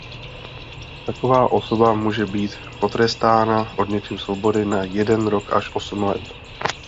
Taková osoba může být potrestána odnětím svobody na jeden rok až osm let.